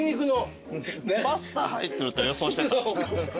パスタ入ってると予想してた？